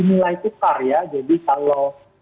nilai tukar ya jadi kalau